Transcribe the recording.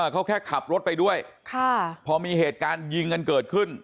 เขาแค่ขับรถไปด้วยพอมีเหตุการณ์ยิงกันเกิดขึ้น